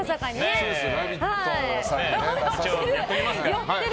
「ラヴィット！」。